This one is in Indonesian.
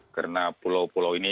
karena pulau pulau ini